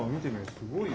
すごいよ。